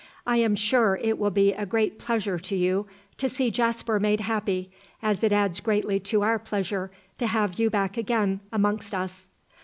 I am sure it will be a great pleasure to you to see Jasper made happy, as it adds greatly to our pleasure to have you back again amongst us."